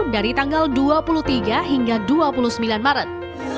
dari tanggal dua puluh tiga hingga dua puluh sembilan maret